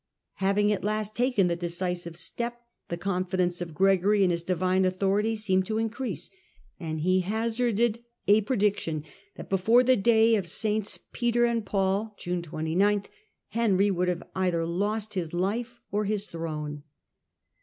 ' Having at last taken the decisive step, the con fidence of Gregory in his divine authority seemed to increase ; and he hazarded a prediction that before the day of SS. Peter andJPauT ( June 29) Henry would have lost either his life or his throne.